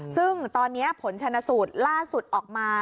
ซึ่งตอนนี้ผลชนะสูตรล่าสุดออกมา